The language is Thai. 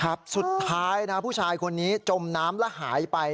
สุดท้ายนะผู้ชายคนนี้จมน้ำแล้วหายไป